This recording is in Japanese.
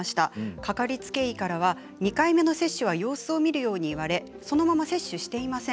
掛かりつけ医からは、２回目の接種は様子を見るように言われそのまま接種していません。